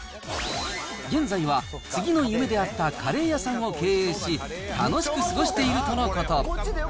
現在は次の夢であったカレー屋さんを経営し、楽しく過ごしているとのこと。